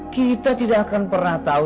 kita tidak akan pernah tahu